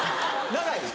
長い？